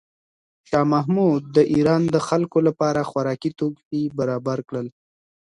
شاه محمود د ایران د خلکو لپاره خوراکي توکي برابر کړل.